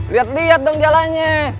lihat lihat dong jalannya